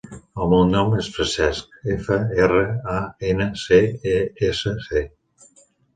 El meu nom és Francesc: efa, erra, a, ena, ce, e, essa, ce.